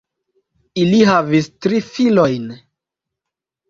Ili havis tri filojn.